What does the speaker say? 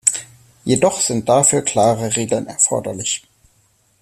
Jedoch sind dafür klare Regeln erforderlich.